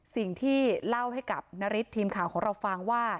สิ่งที่เล่าให้กับนฤทธิ์ทีมข่าวของเราฟังว่า